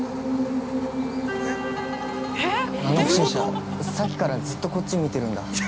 あの不審者さっきからずっとこっち見てるんだ。